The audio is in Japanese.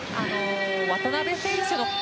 渡邊選手